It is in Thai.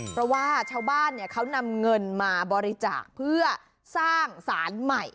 เพราะว่าชาวบ้านเขานำเงินมาบริจาคเพื่อสร้างสารใหม่